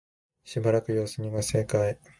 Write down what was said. しばらく様子見が正解